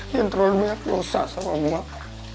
yan terlalu banyak dosa sama mbak